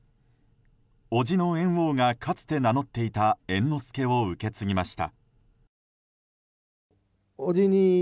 おじの猿翁がかつて名乗っていた猿之助を受け継ぎました。